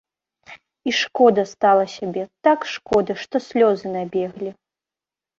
І шкода стала сябе, так шкода, што слёзы набеглі.